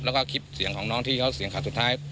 แล้วก็คลิปเสียงของน้องที่เขาเสียงขาดสุดท้าย